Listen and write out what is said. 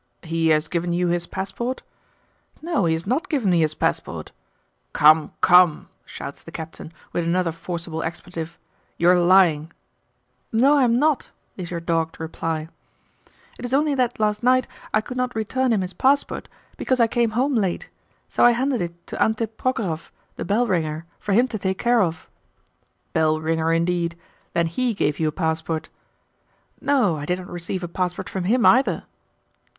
'He has given you his passport?' 'No, he has not given me his passport.' 'Come, come!' shouts the Captain with another forcible expletive. 'You are lying!' 'No, I am not,' is your dogged reply. 'It is only that last night I could not return him his passport, because I came home late; so I handed it to Antip Prochorov, the bell ringer, for him to take care of.' 'Bell ringer, indeed! Then HE gave you a passport?' 'No; I did not receive a passport from him either.